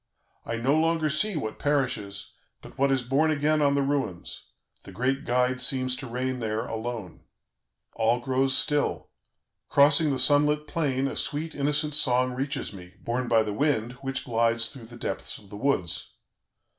I no longer see what perishes, but what is born again on the ruins; the great Guide seems to reign there alone. "All grows still. Crossing the sun lit plain, a sweet, innocent song reaches me, borne by the wind, which glides through the depths of the woods.